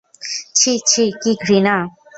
ছি ছি, কী ঘৃণা।